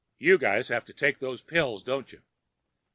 "You guys have to take those pills, don't you?"